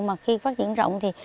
mà khi phát triển rộng thì